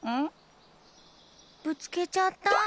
ぶつけちゃった！